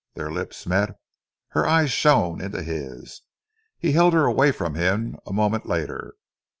Their lips met, her eyes shone into his. He held her away from him a moment later.